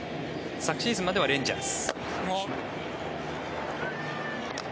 昨シーズンまではレンジャーズ。